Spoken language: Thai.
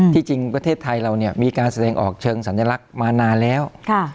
จริงประเทศไทยเรามีการแสดงออกเชิงสัญลักษณ์มานานแล้ว